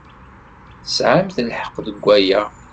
Tesɛamt lḥeqq deg waya.